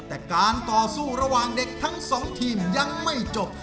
แต่การต่อสู้ระหว่างเด็กทั้งสองทีมยังไม่จบ